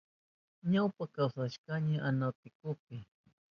Ñawpa kawsashkani Anaticopi.